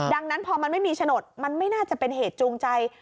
ดังนั้นพอมันไม่มีฉนดมันไม่น่าจะเป็นเหตุจูงใจ